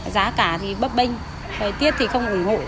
giá cả thì bấp bênh thời tiết thì không ủng hộ